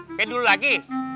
kayaknya dulu lagi